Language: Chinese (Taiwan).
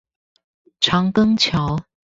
長庚橋